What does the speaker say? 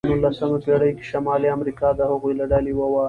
په نوولسمه پېړۍ کې شمالي امریکا د هغوی له ډلې یوه وه.